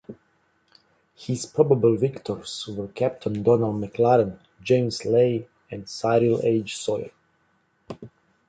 His probable victors were Captain Donald MacLaren, James Leith and Cyril H. Sawyer.